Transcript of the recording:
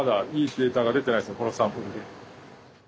このサンプルで。